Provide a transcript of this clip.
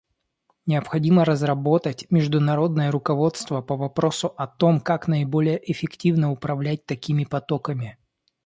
Необходимо разработать международное руководство по вопросу о том, как наиболее эффективно управлять такими потоками.